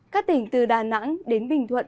các tỉnh từ đà nẵng đến bình thuận